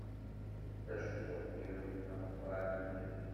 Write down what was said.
Acekkuḥ-iw d ameqran mliḥ.